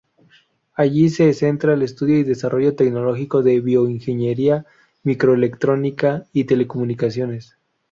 Allí se centra el estudio y desarrollo tecnológico de Bioingeniería, Microelectrónica y Telecomunicaciones.